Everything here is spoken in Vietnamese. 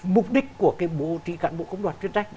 mục đích của cái bổ trị cán bộ công đoàn chuyên trách